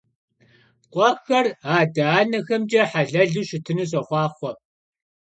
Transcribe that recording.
Khuexer ade - anexemç'e helelu şıtınu soxhuaxhue!